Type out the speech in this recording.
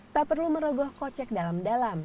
tak perlu merogoh kocek dalam dalam